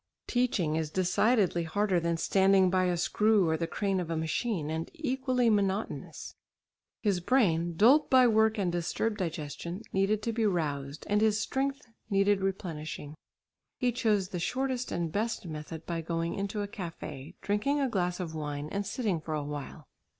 Teaching is decidedly harder than standing by a screw or the crane of a machine, and equally monotonous. His brain, dulled by work and disturbed digestion, needed to be roused, and his strength needed replenishing. He chose the shortest and best method by going into a café, drinking a glass of wine, and sitting for a while.